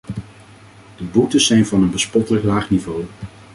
De boetes zijn van een bespottelijk laag niveau.